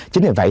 chính vì vậy